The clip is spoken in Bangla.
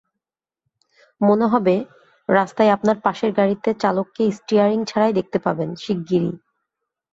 মনে হবে, রাস্তায় আপনার পাশের গাড়িতে চালককে স্টিয়ারিং ছাড়াই দেখতে পাবেন শিগগিরই।